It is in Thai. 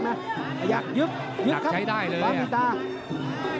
ตายักยักษ์ยึบนี่ขับฟ้ามีตานี่๑๖๐๐